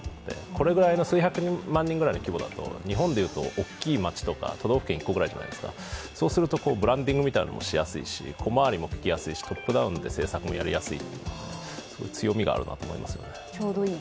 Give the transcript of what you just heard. これぐらいの数百万人ぐらいの規模だと日本で言うと、大きい街とか都道府県１個ぐらいじゃないですかそうするとブランディングみたいにもやりやすいし、トップダウンで政策もやりやすい、そういう強みがあるなと思いますね。